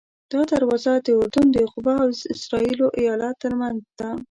دا دروازه د اردن د عقبه او اسرائیلو ایلات ترمنځ ده.